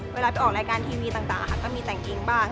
เวลาไปออกรายการทีวีต่างก็มีแต่งกิ๊งบ้าง